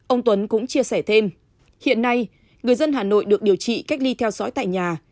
ông tuấn cũng chia sẻ thêm hiện nay người dân hà nội được điều trị cách ly theo dõi tại nhà